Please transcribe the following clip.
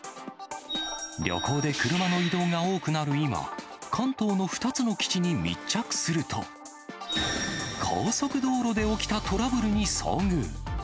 旅行で車の移動が多くなる今、関東の２つの基地に密着すると、高速道路で起きたトラブルに遭遇。